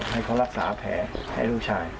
ให้เขารักษาแผลให้ลูกชาย